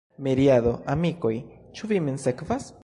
Miriado, amikoj, ĉu vi min sekvas?